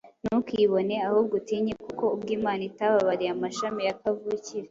Ntukibone, ahubwo utinye; kuko ubwo Imana itababariye amashami ya kavukire,